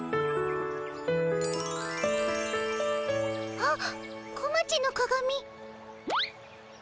あっ小町のかがみ。